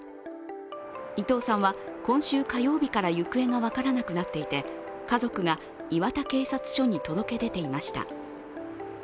伊藤さんは今週火曜日から行方が分からなくなっていて家族が磐田警察署に届け出ていました。